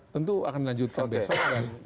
tentu akan dilanjutkan besok